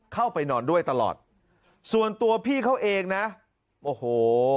เข้าไปนอนด้วยตลอดส่วนตัวพี่เขาเองนะโอ้โห